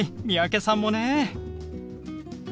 三宅さんもね。